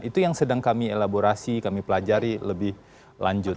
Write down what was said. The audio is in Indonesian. itu yang sedang kami elaborasi kami pelajari lebih lanjut